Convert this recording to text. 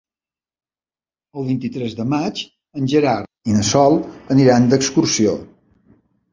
El vint-i-tres de maig en Gerard i na Sol aniran d'excursió.